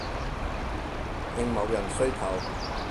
應某人需求